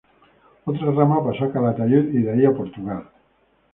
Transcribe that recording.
Otra rama pasó a Calatayud y de ahí a Portugal.